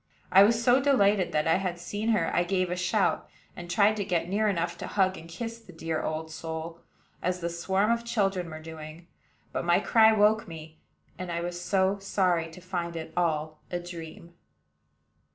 I was so delighted that I had seen her I gave a shout, and tried to get near enough to hug and kiss the dear old soul, as the swarm of children were doing; but my cry woke me, and I was so sorry to find it all a dream!